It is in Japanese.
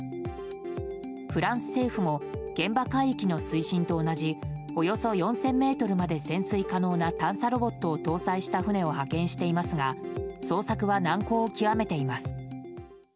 フランス政府も現場海域の水深と同じおよそ４０００ｍまで潜水可能な探査ロボットを搭載した船を派遣していますが捜索は難航を極めています。